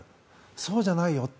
そうじゃないよ。